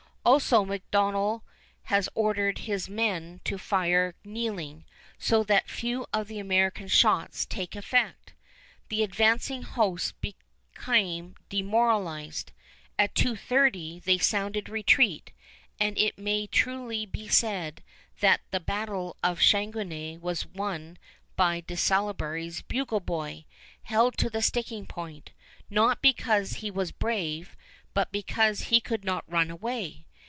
Also McDonnell has ordered his men to fire kneeling, so that few of the American shots take effect. The advancing host became demoralized. At 2.30 they sounded retreat, and it may truly be said that the battle of Chateauguay was won by De Salaberry's bugle boy, held to the sticking point, not because he was brave, but because he could not run away.